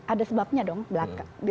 ada sebabnya dong belakang